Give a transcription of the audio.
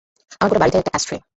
আমার গোটা বাড়িটাই একটা অ্যাশট্রে।